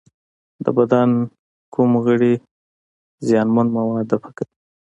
د بدن کوم غړي زیانمن مواد دفع کوي؟